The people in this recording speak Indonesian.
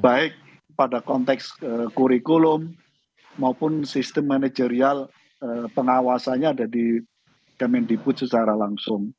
baik pada konteks kurikulum maupun sistem manajerial pengawasannya ada di kemendikbud secara langsung